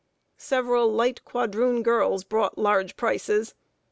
] Several light quadroon girls brought large prices.